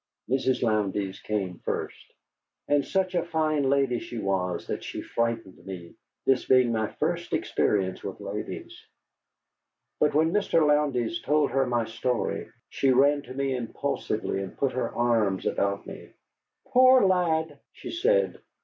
Mrs. Lowndes came first. And such a fine lady she was that she frightened me, this being my first experience with ladies. But when Mr. Lowndes told her my story, she ran to me impulsively and put her arms about me. "Poor lad!" she said.